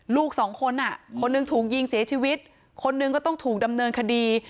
ลูกสองคนอ่ะคนหนึ่งถูกยิงเสียชีวิตคนหนึ่งก็ต้องถูกดำเนินคดี